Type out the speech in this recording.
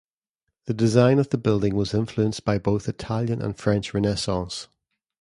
The design of the building was influenced by both Italian and French Renaissance.